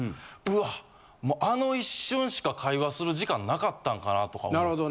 「うわあの一瞬しか会話する時間なかったんかな」とか思って。